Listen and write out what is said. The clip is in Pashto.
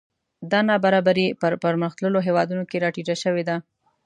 دا نابرابري په پرمختللو هېوادونو کې راټیټه شوې ده